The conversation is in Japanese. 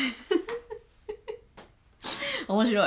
面白い。